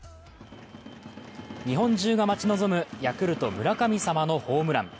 日本中が待ち望むヤクルト・村神様のホームラン。